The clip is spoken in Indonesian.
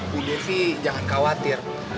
bu devi jangan khawatir